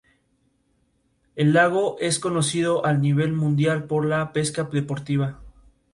Un sentimiento de culpa y compasión invade la comunidad.